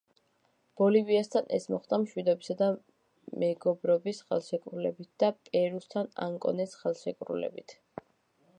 ბოლივიასთან ეს მოხდა მშვიდობისა და მეგობრობის ხელშეკრულებით და პერუსთან ანკონის ხელშეკრულებით.